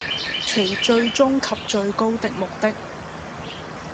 其最終及最高的目的